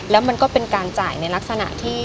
แล้วมันก็เป็นการจ่ายในลักษณะที่